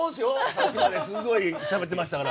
さっきまですんごいしゃべってましたから。